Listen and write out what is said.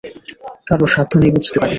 কারুর সাধ্য নেই বুঝতে পারে।